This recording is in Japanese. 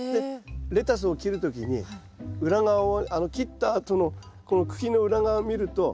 レタスを切る時に裏側を切ったあとのこの茎の裏側を見ると白いのが。